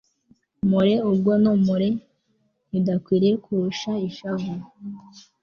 more ubwoba no more idakwiriye kurusha ishavu